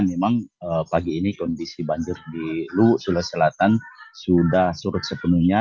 memang pagi ini kondisi banjir di luwu sulawesi selatan sudah surut sepenuhnya